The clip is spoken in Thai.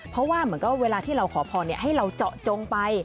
เพราะว่าเหมือนกับเวลาที่เราขอพรให้เราเจาะจงไป